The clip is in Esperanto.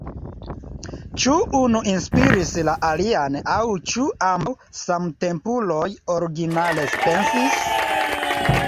Ĉu unu inspiris la alian aŭ ĉu ambaŭ, samtempuloj, originale pensis?